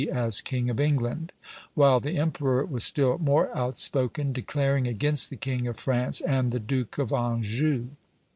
as king of England; while the emperor was still more outspoken, declaring against the King of France and the Duke of Anjou.